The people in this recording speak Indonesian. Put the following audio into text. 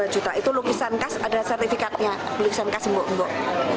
dua juta itu lukisan kas ada sertifikatnya lukisan kas mbok mbok